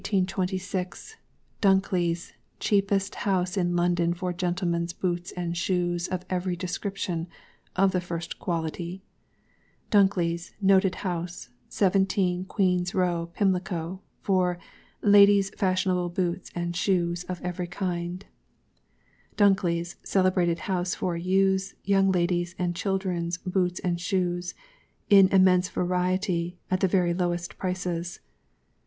DUNKLEYŌĆÖS Cheapest House in London for GENTLEMENSŌĆÖ BOOTS & SHOES, OF EVERY DESCRIPTION, OF THE FIRST QUALITY. DUNKLEYŌĆÖS NOTED HOUSE, 17, QUEENŌĆÖS ROW, PIMLICO, FOR LadiesŌĆÖ Fashionable Boots and Shoes OF EVERY KIND. DUNKLEYŌĆÖS CELEBRATED HOUSE FOR YouthsŌĆÖ, Young LadiesŌĆÖ, and ChildrensŌĆÖ BOOTS AND SHOES, In Immense Variety, at the very Lowest Prices.